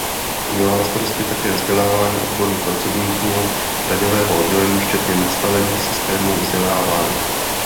Měla na starosti také vzdělávání odborných pracovníků daňového oddělení včetně nastavení systému vzdělávání.